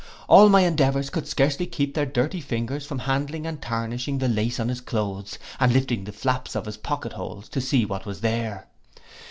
All my endeavours could scarce keep their dirty fingers from handling and tarnishing the lace on his cloaths, and lifting up the flaps of his pocket holes, to see what was there.